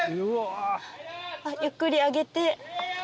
ゆっくり上げて。